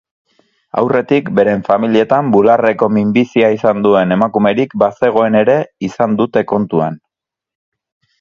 Aurretik beren familietan bularreko minbizia izan duen emakumerik bazegoen ere izan dute kontuan.